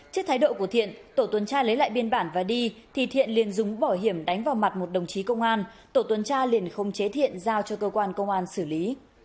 trước thái độ của thiện tổ tuần tra lấy lại biên bản và đi thì thiện liền dùng bảo hiểm đánh vào mặt một đồng chí công an tổ tuần tra liền không chế thiện giao cho cơ quan công an xử lý